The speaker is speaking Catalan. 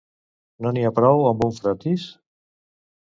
No n'hi ha prou amb un frotis?